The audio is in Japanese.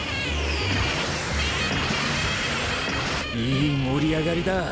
いい盛り上がりだ。